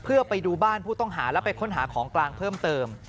เพื่อไปดูบ้านผู้ต้องหาแล้วไปค้นหาของกลางเพิ่มเติม